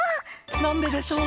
なんででしょう？